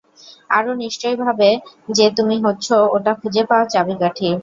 আর ও নিশ্চয় ভাবে যে তুমি হচ্ছ ওটা খুঁজে পাওয়ার চাবিকাঠি।